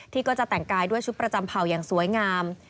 ก็จะแต่งกายด้วยชุดประจำเผ่าอย่างสวยงาม